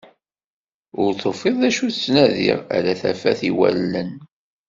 Ur tufiḍ d acu i ttnadiɣ, ala tafat i wallen.